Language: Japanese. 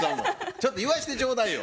ちょっと言わしてちょうだいよ